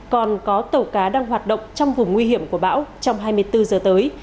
còn có tàu cá đang hoạt động trong vùng nguy hiểm của bão trong hai mươi bốn giờ tới